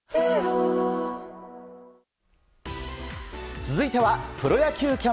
続いてはプロ野球企画。